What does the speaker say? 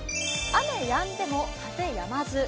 雨やんでも、風やまず。